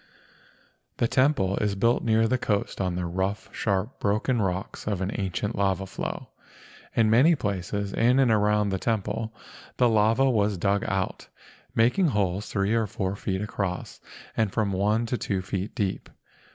The temple is built near the coast on the rough, sharp, broken rocks of an ancient lava flow. In many places in and around the temple the lava was dug out, making holes three or four feet across and from one to two feet deep.